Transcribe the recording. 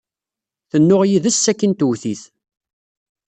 Tennuɣ yid-s sakkin twet-it.